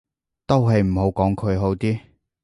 都係唔好講佢好啲